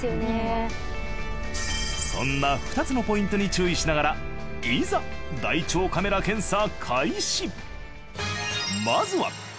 そんな２つのポイントに注意しながらいざ大腸カメラ検査開始。